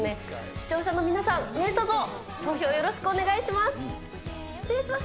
視聴者の皆さん、何とぞ、投票よろしくお願いします。